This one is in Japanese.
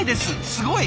すごい！